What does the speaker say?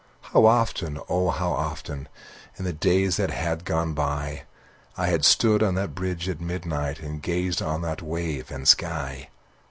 How often, oh how often, In the days that had gone by, I had stood on that bridge at midnight And gazed on that wave and sky!